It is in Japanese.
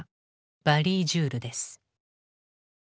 バリー・ジュールです。